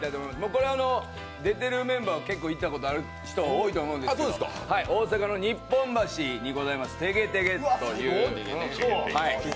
これは出てるメンバーは行ったことある人、多いと思いますが、大阪の日本橋にございますてげてげという店で。